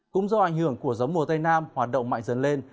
cũng do ảnh hưởng của gió mùa tây nam hoạt động mạnh dần lên